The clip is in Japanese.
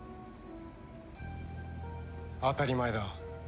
当たり前だ。